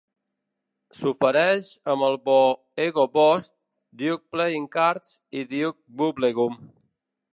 S'ofereix amb el bo "Ego Boost", Duke Playing Cards i Duke Bubblegum.